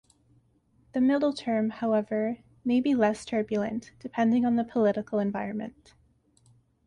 The middle term, however, may be less turbulent, depending on the political environment.